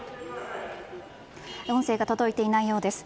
音声が届いていないようです。